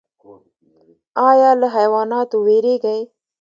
ایا له حیواناتو ویریږئ؟